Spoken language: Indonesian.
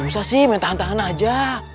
susah sih main tahan tahan aja